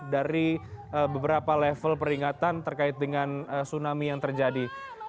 dari beberapa level peringatan terkait dengan tsunami yang terjadi